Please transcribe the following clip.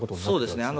そうですね。